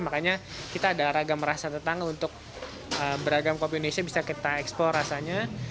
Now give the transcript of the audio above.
makanya kita ada ragam rasa tetangga untuk beragam kopi indonesia bisa kita eksplor rasanya